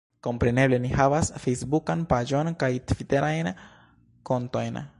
Kompreneble, ni havas fejsbukan paĝon, kaj tviterajn kontojn